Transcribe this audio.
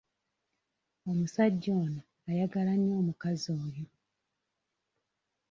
Omusajja ono ayagala nnyo omukazi oyo.